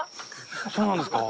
そうなんですか？